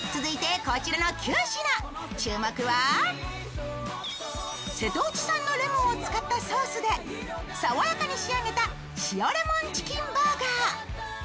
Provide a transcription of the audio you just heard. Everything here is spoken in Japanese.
注目は、瀬戸内産のレモンを使ったソースでさわやかに仕上げた塩レモンチキンバーガー。